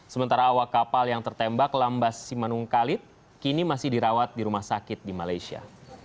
sementara awak kapal yang tertembak lambas simanung kalit kini masih dirawat di rumah sakit di malaysia